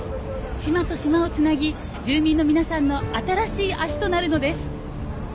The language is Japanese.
島と島をつなぎ住民の皆さんの新しい足となるのです。